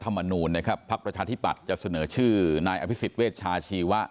ธรรมนุนพระประชาธิบัตรจะเสนอชื่อนายอภิสิตเวชชาชีวะ